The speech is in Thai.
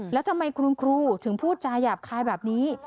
แล้วทำไมคุณครูถึงพูดจาหยาบคายแบบนี้